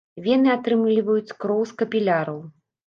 Вены атрымліваюць кроў з капіляраў.